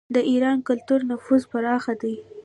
د ایران کلتوري نفوذ پراخ دی.